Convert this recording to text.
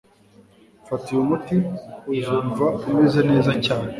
fata uyu muti, uzumva umeze neza cyane